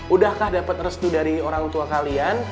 udahkah dapat restu dari orang tua kalian